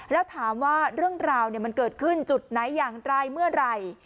แล้วถามว่าเรื่องราวมันเกิดขึ้นจุดไหนอย่างไรเมื่อไหร่